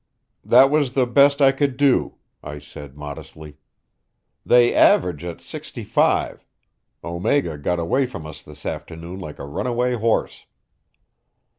"That was the best I could do," I said modestly. "They average at sixty five. Omega got away from us this afternoon like a runaway horse."